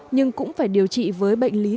nhưng cũng phải điều trị với bệnh